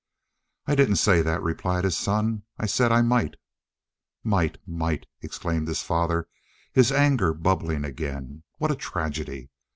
"I didn't say that," replied his son. "I said I might." "Might! Might!" exclaimed his father, his anger bubbling again. "What a tragedy!